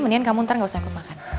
mendingan kamu ntar nggak usah ikut makan